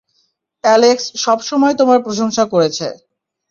Alex সবসময় তোমার প্রশংসা করেছে।